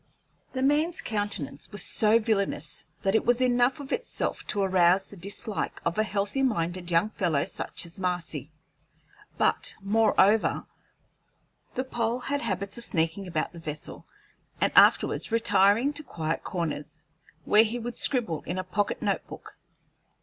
The man's countenance was so villainous that it was enough of itself to arouse the dislike of a healthy minded young fellow such as Marcy; but, moreover, the Pole had habits of sneaking about the vessel, and afterwards retiring to quiet corners, where he would scribble in a pocket notebook.